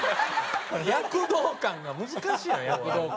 躍動感が難しいの躍動感が。